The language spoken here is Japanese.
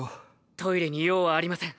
トイレに用はありません